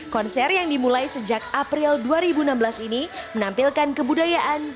konser yang dimulai sejak april dua ribu enam belas ini menampilkan kebudayaan